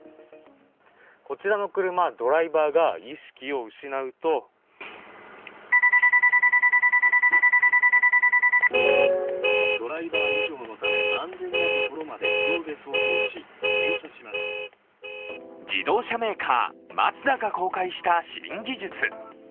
こちらの車、ドライバーが意識を失うと自動車メーカー、マツダが公開した新技術。